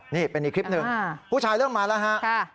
นี่เป็นอีกคลิปหนึ่งผู้ชายเริ่มมาแล้วฮะ